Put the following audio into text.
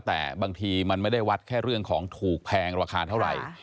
แต่บางทีมันไม่ได้วัดแค่เรื่องของถูกแพงราคาเท่าไหร่